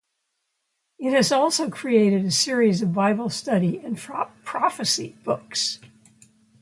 It has also created a series of Bible study and prophecy books.